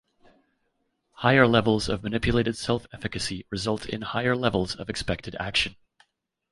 Higher levels of manipulated self-efficacy result in higher levels of expected action.